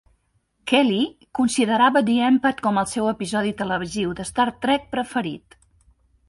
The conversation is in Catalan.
Kelley considerava "The Empath" com el seu episodi televisiu de "Star Trek" preferit.